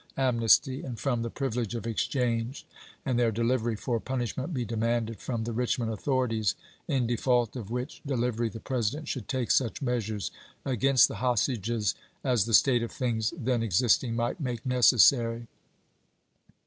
amnesty and from the privilege of exchange, and their delivery for punishment be demanded from the Richmond authorities, in default of which de livery the President should take such, measures against the hostages as the state of things then existing might make necessary.